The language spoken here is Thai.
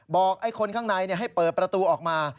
บอกไอ้คนข้างในให้เปิดประตูออกมา